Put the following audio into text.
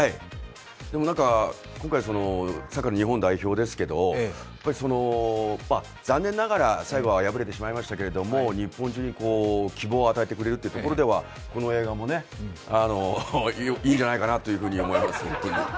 でも今回，サッカーの日本代表ですけど、残念ながら最後は敗れてしまいましたけれども、日本中に希望を与えてくれるというところでは、この映画もいいんじゃないかなというふうに思います。